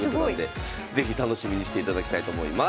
すごい！是非楽しみにしていただきたいと思います。